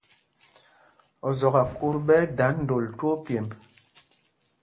Ozɔkákût ɓɛ́ ɛ́ dā ndôl twóó pyêmb.